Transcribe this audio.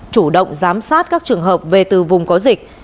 chủ động giám sát các trường hợp về từ vùng có dịch